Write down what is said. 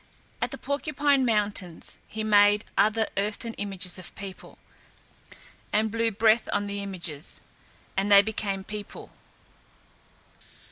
At the Porcupine Mountains he made other earthen images of people, and blew breath on the images, and they became people.